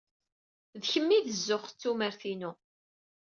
D kemm ay d zzux ed tumert-inu.